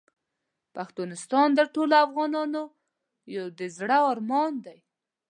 پښتونستان د ټولو افغانانو یو د زړه ارمان دی .